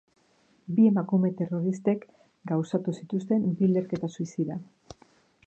Bi emakume terroristek gauzatu zituzten bi leherketa-suizida.